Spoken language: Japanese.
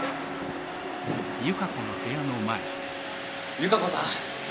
由加子さん。